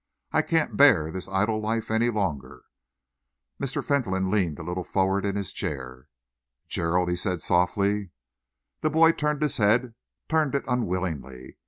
I can't bear this idle life any longer." Mr. Fentolin leaned a little forward in his chair. "Gerald!" he said softly. The boy turned his head, turned it unwillingly.